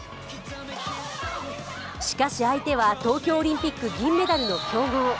しかし、相手は東京オリンピック銀メダルの強豪。